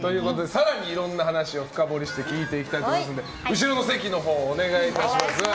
更にいろんな話を深掘りして聞いていきますので後ろの席のほうへお願いします。